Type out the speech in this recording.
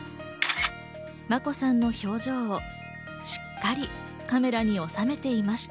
眞子さんの表情をしっかりカメラに収めていました。